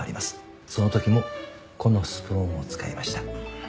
その時もこのスプーンを使いました。